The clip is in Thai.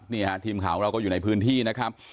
นี่ฮะทีมข่าวของเราก็อยู่ในพื้นที่นะครับ